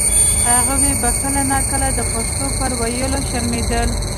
هغوی به کله نا کله د پښتو پر ویلو شرمېدل.